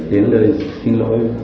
đến lời xin lỗi